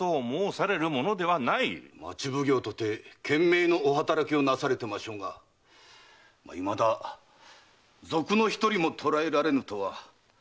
町奉行とて懸命のお働きをなされてましょうがいまだ賊の一人も捕らえられぬとは歯がゆいことでございます。